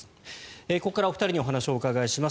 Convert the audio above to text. ここからお二人にお話をお伺いします。